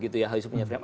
gitu ya harus punya frame